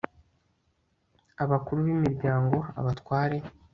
abakuru b'imiryango, abatware